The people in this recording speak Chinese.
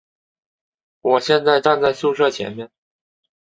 我现在站在宿舍前面